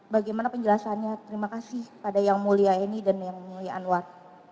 bagaimana penjelasannya terima kasih pada yang mulia eni dan yang mulia anwar